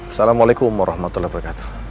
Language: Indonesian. assalamualaikum warahmatullahi wabarakatuh